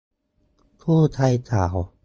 คู่ใจสาว